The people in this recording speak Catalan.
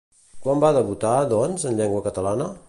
Quan va debutar, doncs, en llengua catalana?